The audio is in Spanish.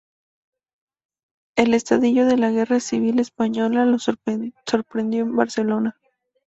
El estallido de la guerra civil española lo sorprendió en Barcelona.